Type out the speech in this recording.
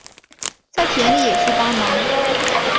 在田里也需帮忙